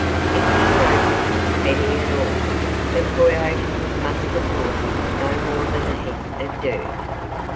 If he noticed Benny at all, the coyote must have thought him no more than a heap of dirt.